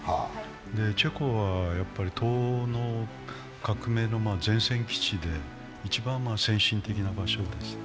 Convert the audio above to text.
チェコは東欧の革命の前線基地で一番先進的な場所です。